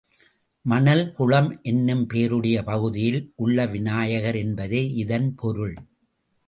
மணல் குளம் என்னும் பெயருடைய பகுதியில் உள்ள விநாயகர் என்பதே இதன் பொருள்.